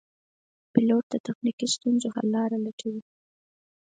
پیلوټ د تخنیکي ستونزو حل لاره لټوي.